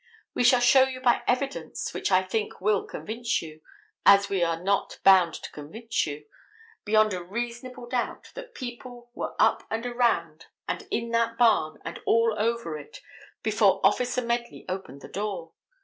We shall show you by evidence which I think will convince you—as we are not bound to convince you, beyond a reasonable doubt, that people were up and around and in that barn and all over it before Officer Medley opened the door.